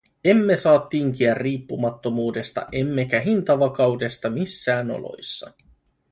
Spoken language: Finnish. Emme saa tinkiä riippumattomuudesta emmekä hintavakaudesta missään oloissa.